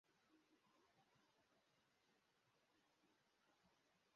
Imbwa ebyiri z'umukara zirukankana ku byatsi